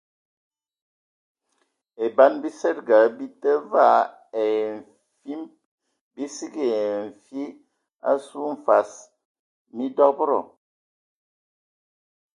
E ban bisədəga bə tə vaa ai fim bi sə kig ai nfi asu minfas mi dɔbədɔ.